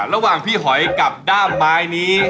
ระหว่างพี่หอยกับด้ามไม้นี้